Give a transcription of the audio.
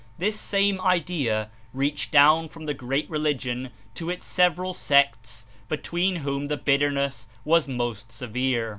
This same Idea reached down from the great religion to its several sects, between whom the bitterness was most severe.